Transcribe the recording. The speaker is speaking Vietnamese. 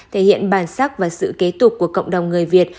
thể hiện bản sắc và sự kế tục của cộng đồng người việt